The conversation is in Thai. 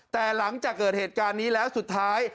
แต่หลังจากเกิดเหตุการณ์นี้แล้วสุดท้าย